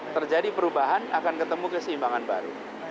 terjadi perubahan akan ketemu keseimbangan baru